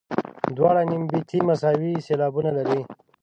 دواړه نیم بیتي مساوي سېلابونه لري.